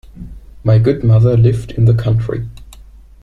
My good mother lived in the country.